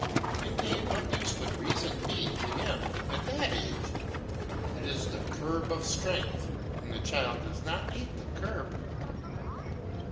Indeed, what use would reason be to him at that age? It is the curb of strength, and the child does not need the curb.